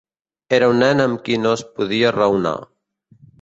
Era un nen amb qui no es podia raonar.